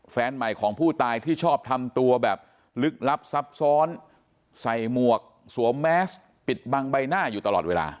แฟนใหม่ของผู้ตายที่ชอบทำตัวแบบลึกลับซับซ้อนใส่หมวกสวมแมสปิดบังใบหน้าอยู่ตลอดเวลา